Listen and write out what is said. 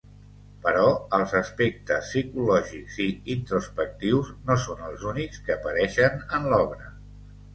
Però els aspectes psicològics i introspectius no són els únics que apareixen en l'obra.